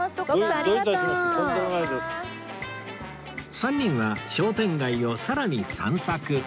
３人は商店街をさらに散策